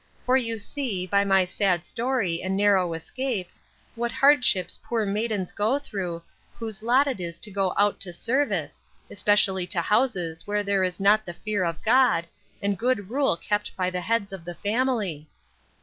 For you see, by my sad story, and narrow escapes, what hardships poor maidens go through, whose lot it is to go out to service, especially to houses where there is not the fear of God, and good rule kept by the heads of the family.